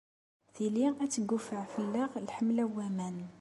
Tili ad d-tegguffeɛ fell-aɣ lḥemla n waman.